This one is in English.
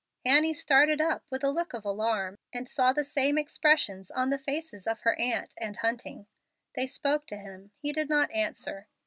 Annie started up with a look of alarm, and saw the same expression on the faces of her aunt and Hunting. They spoke to him; he did not answer.